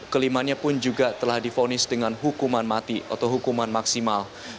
kelimanya pun juga telah difonis dengan hukuman mati atau hukuman maksimal